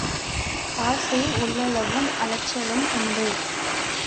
ஆசை உள்ளளவும் அலைச்சலும் உண்டு.